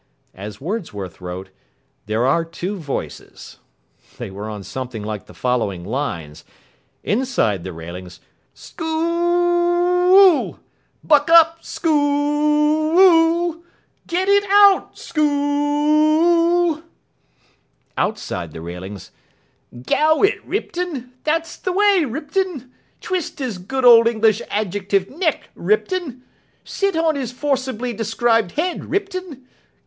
As Wordsworth wrote, "There are two voices". They were on something like the following lines. Inside the railings: "Sch oo oo oo oo l! Buck up Sch oo oo oo oo l!! Get it OUT, Schoo oo oo oo l!!!" Outside the railings: "Gow it, Ripton! That's the way, Ripton! Twist his good old English adjectived neck, Ripton! Sit on his forcibly described head, Ripton!